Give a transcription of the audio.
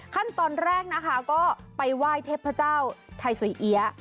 ขั้นตอนแรกนะคะก็ไปไหว้เทพเจ้าไทยสวยเอี๊ยะ